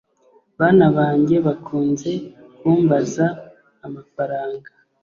Bana banjye bakunze kumbaza amafaranga